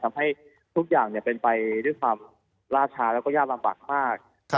ทำให้ทุกอย่างเป็นไปด้วยความล่าช้าแล้วก็ยากลำบากมาก